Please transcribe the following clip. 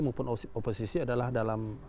maupun oposisi adalah dalam